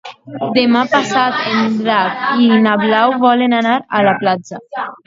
Demà passat en Drac i na Blau volen anar a la platja.